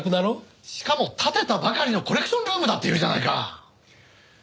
しかも建てたばかりのコレクションルームだっていうじゃないか！